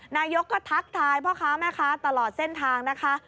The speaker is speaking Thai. นายกก็ทักทายพ่อค้าแม่ค้าตลอดเส้นทางนะคะ